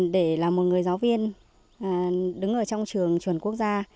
để là một người giáo viên đứng ở trong trường chuẩn quốc gia